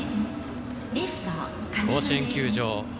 甲子園球場